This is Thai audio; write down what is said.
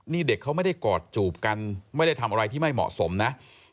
นี่เด็กเขาไม่ได้กอดจูบกันไม่ได้ทำอะไรที่ไม่เหมาะสมนะ